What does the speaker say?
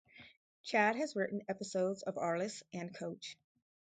Chad has written episodes of "Arliss" and "Coach".